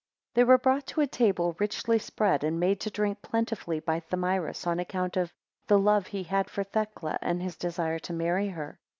2 They were brought to a table richly spread, and made to drink plentifully by Thamyris, on account of the love he had for Thecla and his desire to marry her.